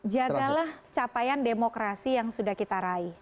jagalah capaian demokrasi yang sudah kita raih